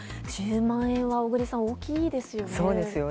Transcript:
１０万円は、小栗さん大きいですよね。